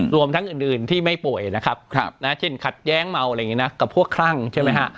รวมทั้งอื่นที่ไม่ป่วยนะครับเช่นขัดแย้งเมาอะไรอย่างนี้นะกับพวกคลั่งใช่ไหมฮะ